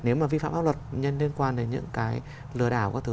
nếu mà vi phạm pháp luật liên quan đến những cái lừa đảo các thứ